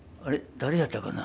誰やったかな？